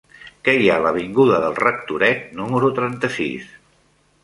Què hi ha a l'avinguda del Rectoret número trenta-sis?